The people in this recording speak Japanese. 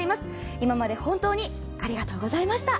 今まで本当にありがとうございました。